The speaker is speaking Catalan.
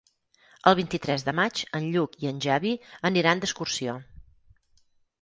El vint-i-tres de maig en Lluc i en Xavi aniran d'excursió.